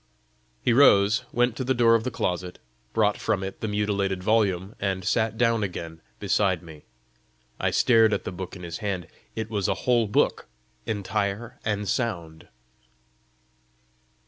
He rose, went to the door of the closet, brought from it the mutilated volume, and sat down again beside me. I stared at the book in his hand: it was a whole book, entire and sound!